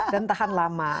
dan tahan lama